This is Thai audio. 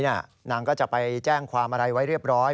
นางก็จะไปแจ้งความอะไรไว้เรียบร้อย